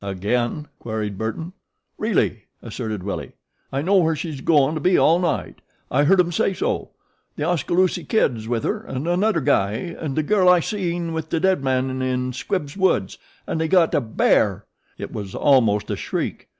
"Again?" queried Burton. "Really," asserted Willie. "I know where she's goin' to be all night. I heard 'em say so. The Oskaloosie Kid's with her an' annuder guy an' the girl I seen with the dead man in Squibbs' woods an' they got a BEAR!" It was almost a shriek.